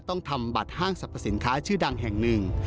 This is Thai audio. ต้องทำบัตรห้างสรรพสินค้าชื่อดังแห่งหนึ่ง